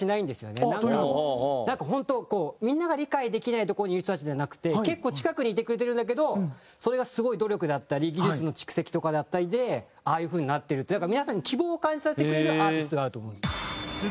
なんかホントみんなが理解できないところにいる人たちじゃなくて結構近くにいてくれてるんだけどそれがすごい努力だったり技術の蓄積とかだったりでああいうふうになってると皆さんに続いて第６位。